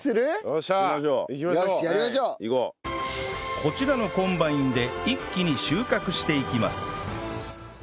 こちらのコンバインで一気に収穫していきます